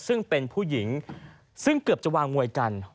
ซึ่งเป็นผู้หญิงซึ่งเกือบจะวางมวยกัน